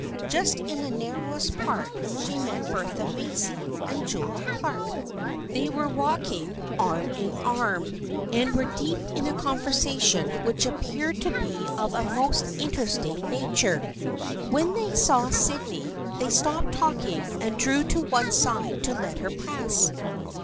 Just in the narrowest part she met Bertha Macy and Julia Clark. They were walking arm in arm and were deep in a conversation which appeared to be of a most interesting nature. When they saw Sydney they stopped talking and drew to one side to let her pass.